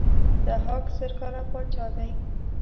ضحاک زر کاله پاچا دی.